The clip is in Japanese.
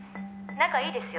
仲いいですよ」